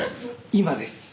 今です。